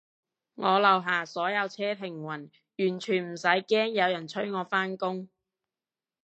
我樓下所有車停晒，完全唔使驚有人催我返工